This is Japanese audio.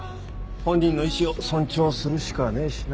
本人の意思を尊重するしかねえしな。